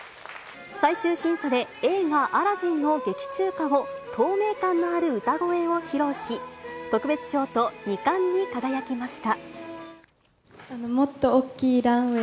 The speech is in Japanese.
最終審査で、映画アラジンの劇中歌を透明感のある歌声で披露し、特別賞と２冠に輝きました。